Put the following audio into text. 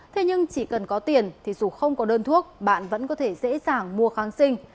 thế nhưng chỉ cần có tiền thì dù không có đơn thuốc bạn vẫn có thể dễ dàng mua kháng sinh